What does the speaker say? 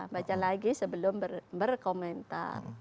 baca lagi sebelum berkomentar